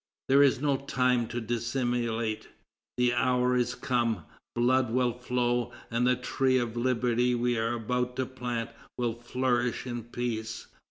There is no time to dissimulate; the hour is come, blood will flow, and the tree of Liberty we are about to plant will flourish in peace."